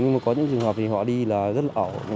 nhưng mà có những trường hợp thì họ đi là rất là ẩu